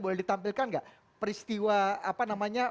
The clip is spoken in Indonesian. boleh ditampilkan enggak